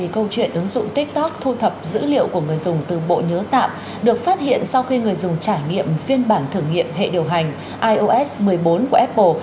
câu chuyện ứng dụng tiktok thu thập dữ liệu của người dùng từ bộ nhớ tạm được phát hiện sau khi người dùng trải nghiệm phiên bản thử nghiệm hệ điều hành ios một mươi bốn của apple